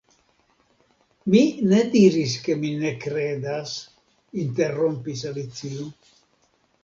"Mi ne diris ke mi ne kredas," interrompis Alicio.